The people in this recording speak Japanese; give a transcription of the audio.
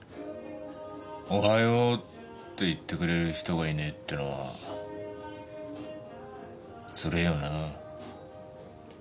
おはようって言ってくれる人がいないってのはつれえよな。